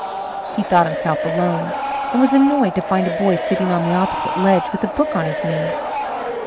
He thought himself alone and was annoyed to find a boy sitting on the opposite ledge with a book on his knee.